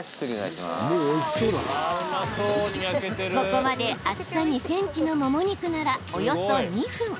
ここまで厚さ２ｃｍのもも肉ならおよそ２分。